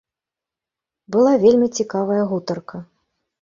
Была вельмі цікавая гутарка.